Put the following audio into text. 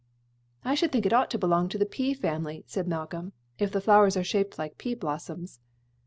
"I should think it ought to belong to the pea family," said Malcolm, "if the flowers are shaped like pea blossoms."